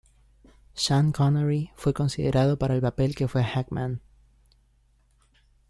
Sean Connery fue considerado para el papel que fue a Hackman.